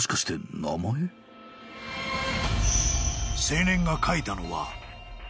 ［青年が書いたのは］